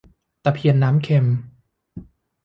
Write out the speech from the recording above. ตะเพียนน้ำเค็ม